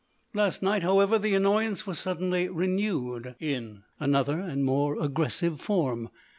Last night, however, the annoyance was suddenly renewed another and more aggressive form.